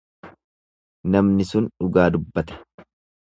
Namni sun dhugaa dubbate.